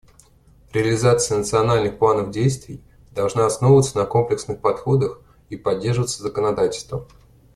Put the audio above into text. Реализация национальных планов действий должна основываться на комплексных подходах и поддерживаться законодательством.